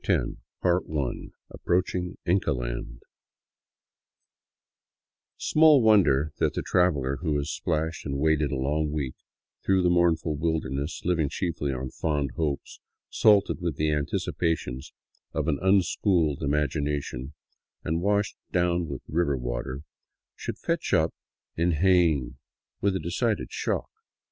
S243 CHAPTER X APPROACHING INCA LAND SMALL wonder that the traveler who has splashed and waded a long week through the mournful wilderness, living chiefly on fond hopes salted with the anticipations of an unschooled im agination, and washed down with river water, should fetch up in Jaen with a decided shock.